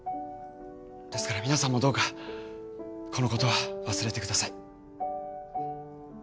ですから皆さんもどうかこのことは忘れてください。